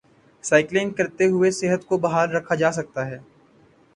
cycling کرتے ہوئے صحت کو بحال رکھا جا سکتا ہے